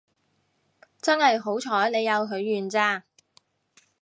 真係好彩你有許願咋